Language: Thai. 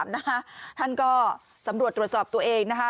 ท่านก็สำรวจตรวจสอบตัวเองนะคะ